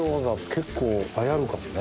結構流行るかもね。